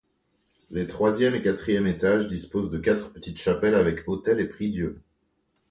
Les troisième et quatrième étages disposent de quatre petites chapelles avec autel et prie-dieu.